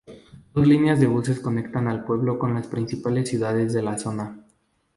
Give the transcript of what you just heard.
Dos líneas de buses conectan al pueblo con las principales ciudades de la zona.